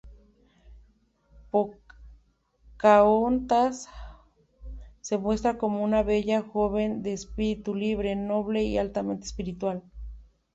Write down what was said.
Pocahontas se muestra como una bella joven de espíritu libre, noble, y altamente espiritual.